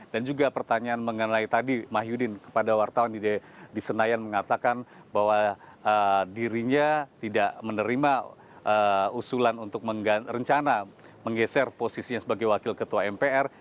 dan juga pertanyaan mengenai tadi mahyudin kepada wartawan di senayan mengatakan bahwa dirinya tidak menerima usulan untuk mengeser posisinya sebagai wakil ketua mpr